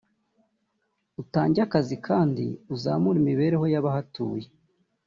utange akazi kandi uzamure imibereho y’abahatuye